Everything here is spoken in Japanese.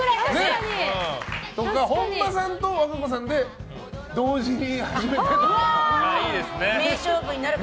本間さんと和歌子さんで同時に始めてとか。